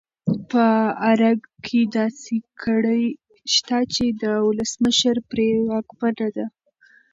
په ارګ کې داسې کړۍ شته چې د ولسمشر پرې واکمنه ده.